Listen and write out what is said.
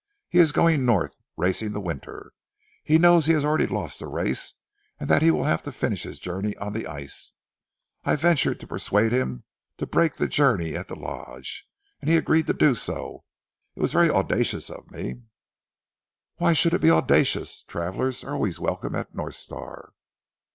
He is going North racing the winter. He knows he has already lost the race, and that he will have to finish his journey on the ice. I ventured to persuade him to break the journey at the Lodge, and he agreed to do so. It was very audacious of me " "Why should it be audacious? Travellers are always welcome at North Star."